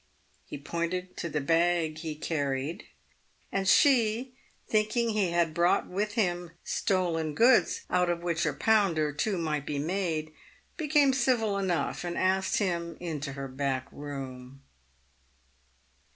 He pointed to the bag he carried, and she, thinking he had brought with him stolen goods out of which a pound or two might be made, became civil enough, and asked him into her back room.